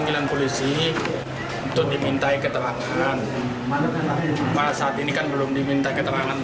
tapi nanti untuk jelasnya dia kasih ke teman